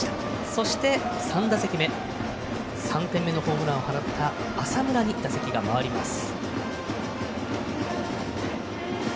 そして、３打席目３点目のホームランを放った浅村に打席が回ります。